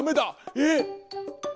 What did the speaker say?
えっ？